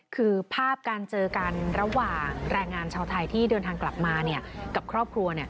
คือภาพการเจอกันระหว่างแรงงานชาวไทยที่เดินทางกลับมากับครอบครัว